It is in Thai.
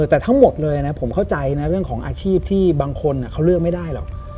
แต่ทั้งหมดเลยนะผมเข้าใจนะเรื่องของอาชีพที่บางคนเขาเลือกไม่ได้หรอก